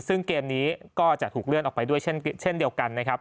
ซึ่งเกมนี้ก็จะถูกเลื่อนออกไปด้วยเช่นเดียวกันนะครับ